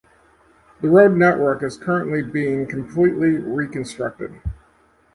The road network is currently being completely reconstructed.